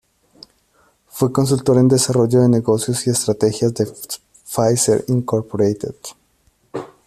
Fue consultor en Desarrollo de Negocios y Estrategias de Pfizer, Inc.